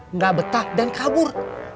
nggak betah dan kabur